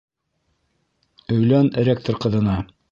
Өйлән ректор ҡыҙына!